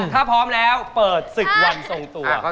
ถ้าพร้อมแล้วเปิดศึกวันทรงตัว